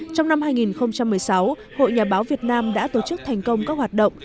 trong năm hai nghìn một mươi sáu hội nhà báo việt nam đã tổ chức thành công các hoạt động